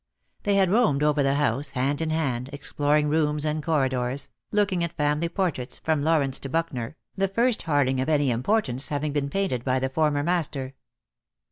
They had roamed over the house, hand in hand, exploring rooms and corridors, looking at family portraits, from Lawrence to Buckner, the first Harling of any importance having been painted by the former master.